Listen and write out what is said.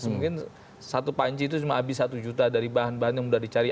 mungkin satu panci itu cuma habis satu juta dari bahan bahan yang sudah dicari